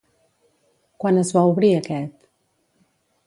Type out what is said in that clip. Quan es va obrir aquest?